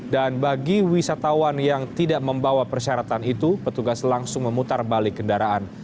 dan bagi wisatawan yang tidak membawa persyaratan itu petugas langsung memutar balik kendaraan